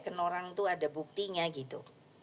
kan orang itu ada buktinya gitu